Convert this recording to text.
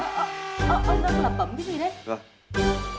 ôi ông đang lập bấm cái gì đấy